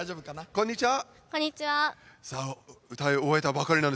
こんにちは。